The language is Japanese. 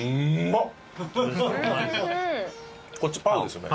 こっちパウですよね。